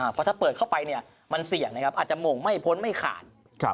เพราะถ้าเปิดเข้าไปมันเสี่ยงอาจจะโหมงไม่พ้นไม่ขาด